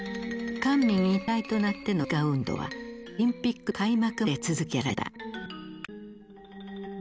官民一体となっての美化運動はオリンピックの開幕まで続けられた。